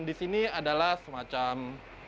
di sini adalah semacam